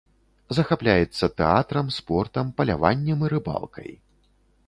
Захапляецца тэатрам, спортам, паляваннем і рыбалкай.